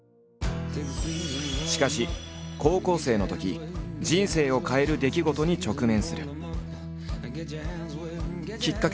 しかし高校生のとき人生を変える出来事に直面する。